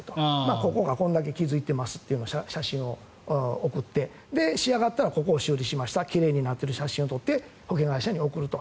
ここがこれだけ傷付いていますという写真を送って仕上がったらここを修理しましたと奇麗になっている写真を撮って保険会社に送ると。